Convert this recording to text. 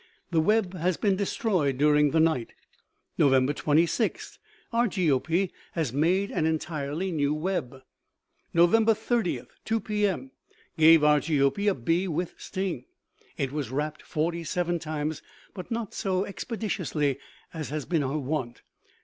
the web has been destroyed during the night. "Nov. 26, Argiope has made an entirely new web. "Nov. 30, 2 P.M.; gave Argiope a bee with sting. It was wrapped forty seven times, but not so expeditiously as has been her wont.